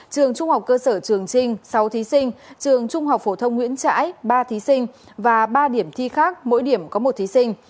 trường trung học cơ sở trường trinh sáu thí sinh trường trung học phổ thông nguyễn trãi ba thí sinh và ba điểm thi khác mỗi điểm có một thí sinh